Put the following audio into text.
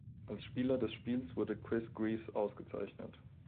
Als Spieler des Spiels wurde Chris Greaves ausgezeichnet.